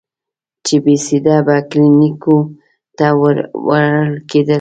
چې بېسده به کلينيکو ته وړل کېدل.